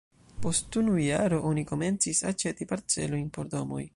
Post unu jaro oni komencis aĉeti parcelojn por domoj.